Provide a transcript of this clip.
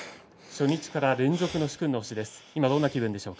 初日から連続の殊勲の星です。